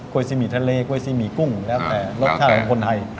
ซีหมี่ทะเลก้วยซีหมี่กุ้งแล้วแต่รสชาติของคนไทย